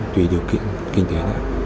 tùy điều kiện kinh tế này